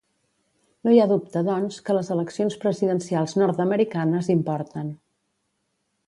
No hi ha dubte, doncs, que les eleccions presidencials nord-americanes importen.